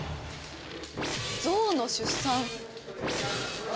ゾウの出産。